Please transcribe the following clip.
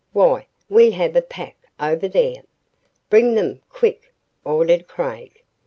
Why, we have a pack over there." "Bring them quick!" ordered Craig.